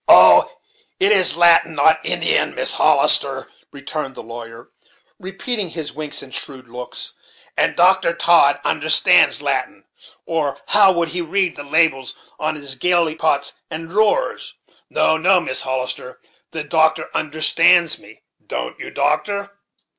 "Oh! it is Latin, not Indian, Miss Hollister!" returned the lawyer, repeating his winks and shrewd looks; "and Dr. Todd understands Latin, or how would he read the labels on his gallipots and drawers? No, no, Miss Hollis ter, the doctor understands me; don't you, doctor?"